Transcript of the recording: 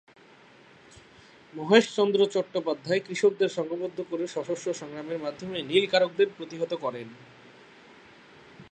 মহেশচন্দ্র চট্টোপাধ্যায় কৃষকদের সংঘবদ্ধ করে সশস্ত্র সংগ্রামের মাধ্যমে নীলকরদের প্রতিহত করেন।